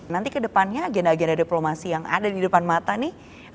nanti kedepannya agenda agenda diplomasi yang ada di depan mata nih